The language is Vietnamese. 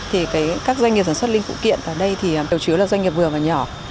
thì các doanh nghiệp sản xuất linh kiện và đây thì điều chứa là doanh nghiệp vừa và nhỏ